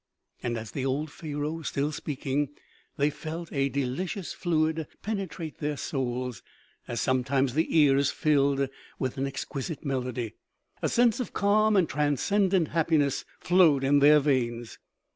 And as the old Pharaoh was still speaking, they felt a delicious fluid penetrate their souls, as sometimes the ear is filled with an exquisite melody. A sense of calm and transcendent happiness flowed in their veins.